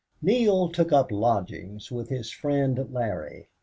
20 Neale took up lodgings with his friend Larry.